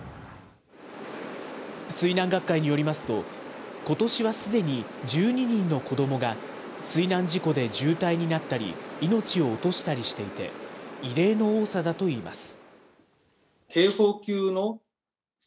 水難学会によりますと、ことしはすでに１２人の子どもが水難事故で重体になったり、命を落としたりしていて、異例の多さだといいます。